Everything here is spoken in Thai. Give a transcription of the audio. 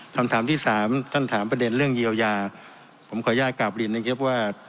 คำถามที่สามท่านถามประเด็นเรื่องเยียวยาผมขออนุญาตกลับเรียนนะครับว่า